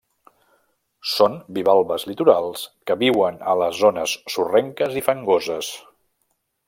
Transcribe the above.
Són bivalves litorals que viuen a les zones sorrenques i fangoses.